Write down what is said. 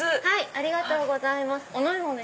ありがとうございます。